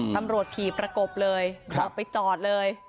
ตำรวจขี่ประกบเลยบอกไปจอดเลย